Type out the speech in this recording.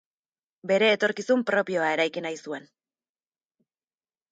Bere etorkizun propioa eraiki nahi zuen.